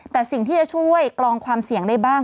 แต่สิ่งที่จะช่วยกลองความเสี่ยงได้บ้าง